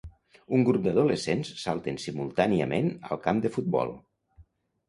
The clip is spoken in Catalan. Un grup d'adolescents salten simultàniament al camp de futbol.